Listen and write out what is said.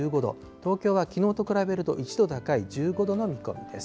東京はきのうと比べると１度高い１５度の見込みです。